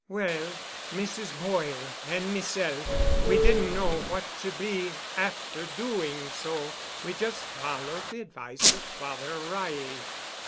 "Well, Mrs. Boyle and meself, we didn't know what to be afther doing, so we just followed the advice of Father Reilly."